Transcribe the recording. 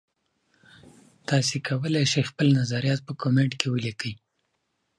تاسي کولای شئ خپل نظریات په کمنټ کې ولیکئ.